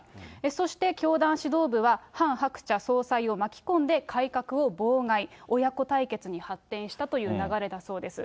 そして、教団指導部はハン・ハクチャ総裁を巻き込んで改革を妨害、親子対決に発展したという流れだそうです。